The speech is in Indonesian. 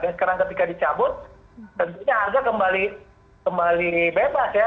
sekarang ketika dicabut tentunya harga kembali bebas ya